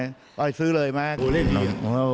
มีมั้ยซื้อเลยแม่